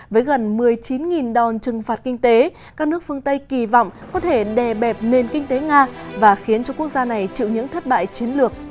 với gần một mươi chín đòn trừng phạt kinh tế các nước phương tây kỳ vọng có thể đè bẹp nền kinh tế nga và khiến cho quốc gia này chịu những thất bại chiến lược